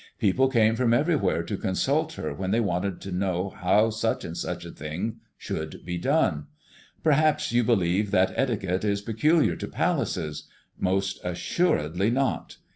People came from everywhere to consult her when they wanted to know how such and such a thing should be done. Perhaps you believe that etiquette is peculiar to palaces. Most assuredly not.